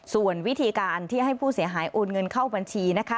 ส่วนวิธีการที่ให้ผู้เสียหายโอนเงินเข้าบัญชีนะคะ